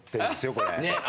これ。